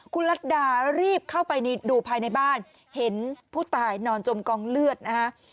คุณรัฐดารีบเข้าไปดูภายในบ้านเห็นผู้ตายนอนจมกองเลือดนะฮะ